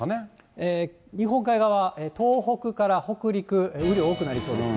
日本海側、東北から北陸、雨量多くなりそうです。